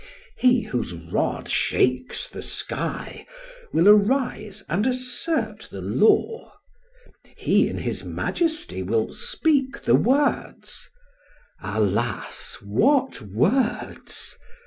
He, whose rod shakes the sky, will arise and assert the law. He, in his majesty, will speak the words alas! what words!